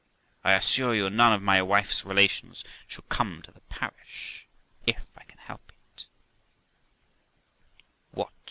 I assure you, none of my wife's relations shall come to the parish, if I can help it' 1 What!